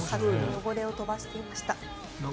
汚れを飛ばしていました。